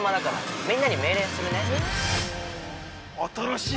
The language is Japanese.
◆新しい。